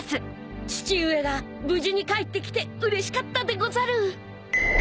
［父上が無事に帰ってきてうれしかったでござる！］